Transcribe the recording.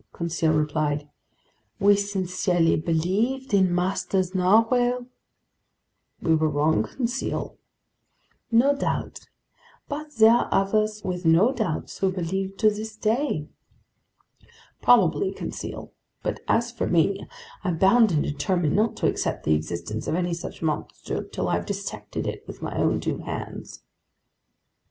Conseil replied. "We sincerely believed in master's narwhale." "We were wrong, Conseil." "No doubt, but there are others with no doubts who believe to this day!" "Probably, Conseil. But as for me, I'm bound and determined not to accept the existence of any such monster till I've dissected it with my own two hands."